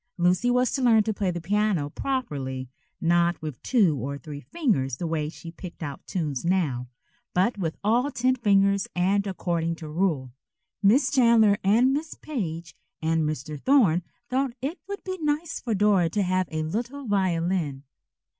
Lucy was to learn to play the piano properly, not with two or three fingers the way she picked out tunes now, but with all ten fingers and according to rule. Miss Chandler and Miss Page and Mr. Thorne thought it would be nice for Dora to have a little violin.